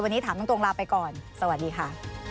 วันนี้ถามตรงลาไปก่อนสวัสดีค่ะ